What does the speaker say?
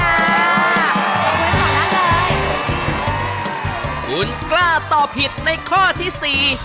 ขอบคุณท่านเลยคุณกล้าตอบผิดในข้อที่สี่